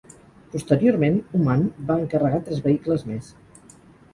Posteriorment, Oman, va encarregar tres vehicles més.